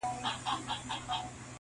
• د څراغ تتي رڼا ته وه لیدلې -